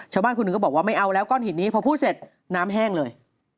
ชาวบ้านคนหนึ่งก็บอกว่าไม่เอาแล้วก้อนหินนี้พอพูดเสร็จน้ำแห้งเลย